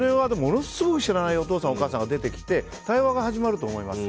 面白いお父さんお母さんが出てきて対話が始まると思います。